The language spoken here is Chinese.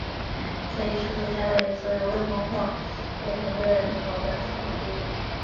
这一数字相当于所有未婚或未同居的人口的四分之一。